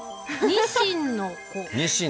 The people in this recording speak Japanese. ニシンの子。